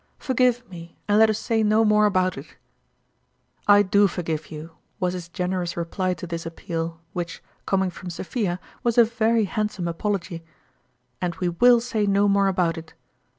Forgive me, and let us say no more about it !"" I do forgive you," was his generous reply to this appeal, which, coming from Sophia, was a very handsome apology, " and we will say no more about it."